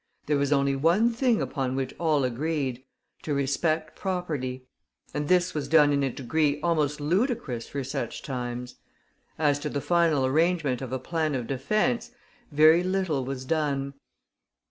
There was only one thing upon which all agreed to respect property; and this was done in a degree almost ludicrous for such times. As to the final arrangement of a plan of defence, very little was done.